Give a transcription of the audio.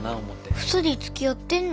２人つきあってんの？